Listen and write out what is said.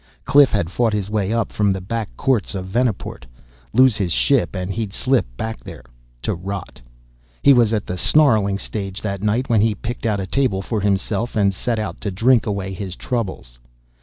Cliff had fought his way up from the back courts of Venaport. Lose his ship and he'd slip back there to rot. He was at the snarling stage that night when he picked out a table for himself and set out to drink away his troubles.